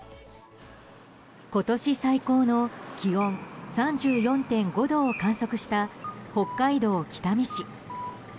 今年最高の気温３４．５度を観測した北海道北見市。